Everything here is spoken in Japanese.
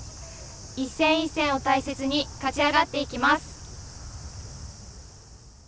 一戦一戦を大切に勝ち上がっていきます。